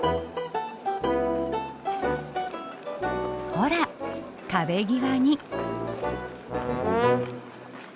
ほら壁際に。